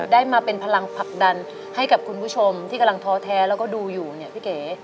ได้มาเป็นพลังผลักดันให้กับคุณผู้ชมที่กำลังท้อแท้แล้วก็ดูอยู่เนี่ยพี่เก๋